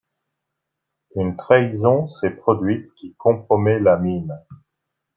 Une trahison s'est produite qui compromet la mine.